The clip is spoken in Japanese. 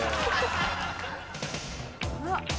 あっ！